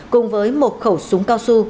cùng với một khẩu súng cao su